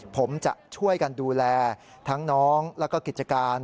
ผมจะช่วยกันดูแลทั้งน้องแล้วก็กิจการ